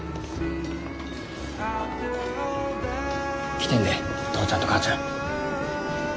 来てんで父ちゃんと母ちゃん。